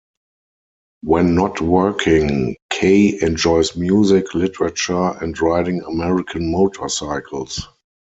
When not working, Kaye enjoys music, literature and riding American motorcycles.